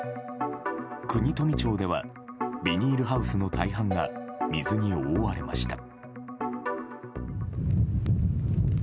国富町ではビニールハウスの大半が水に覆われました。